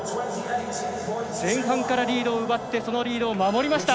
前半からリードを奪ってそのリードを守りました。